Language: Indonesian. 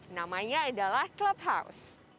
namanya adalah clubhouse